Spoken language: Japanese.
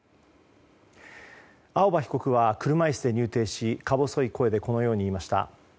青葉被告は車椅子で入廷しか細い声でこのように言いました。